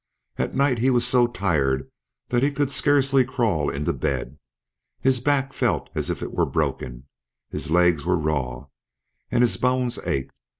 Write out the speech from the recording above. At night he was so tired that he could scarcely crawl into bed; his back felt as if it were broken; his legs were raw, and his bones ached.